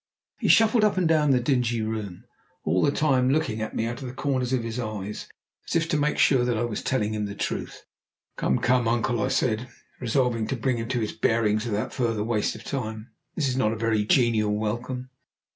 He shuffled up and down the dingy room, all the time looking at me out of the corners of his eyes, as if to make sure that I was telling him the truth. "Come, come, uncle," I said, resolving to bring him to his bearings without further waste of time. "This is not a very genial welcome!"